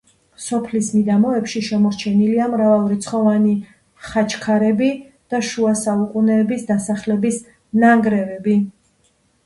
სოფლის მიდამოებში შემორჩენილია მრავალრიცხოვანი ხაჩქარები და შუა საუკუნეების დასახლების ნანგრევები.